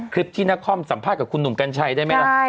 คลิปที่นครสัมภาษณ์กับคุณหนุ่มกัญชัยได้ไหมล่ะ